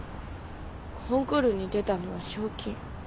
コンクールに出たのは賞金。